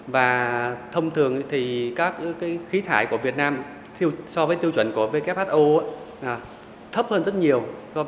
và thông thường thì các khí thải của việt nam so với tiêu chuẩn của who thấp hơn rất nhiều